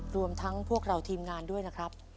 รวมทั้งพวกเราทีมงานด้วยนะครับ